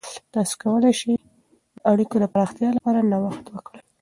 تاسې کولای سئ د اړیکو د پراختیا لپاره نوښت وکړئ.